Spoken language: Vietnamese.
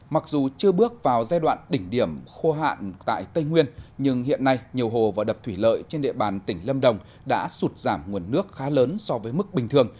mặc dù chưa bước vào giai đoạn đỉnh điểm khô hạn tại tây nguyên nhưng hiện nay nhiều hồ và đập thủy lợi trên địa bàn tỉnh lâm đồng đã sụt giảm nguồn nước khá lớn so với mức bình thường